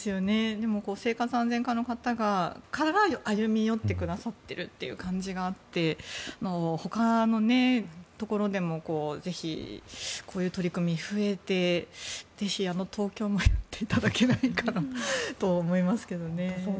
でも、生活安全課の方から歩み寄ってくださってる感じがあってほかのところでもぜひ、こういう取り組み増えてぜひ、東京もやっていただけないかなと思いますけどね。